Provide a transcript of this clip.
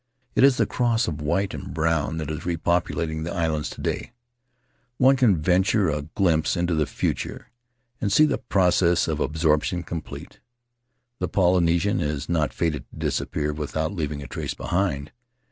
It is the cross of white and brown that is repopu lating the islands to day; one can venture a glimpse into the future and see the process of absorption com plete — the Polynesian is not fated to disappear without leaving a trace behind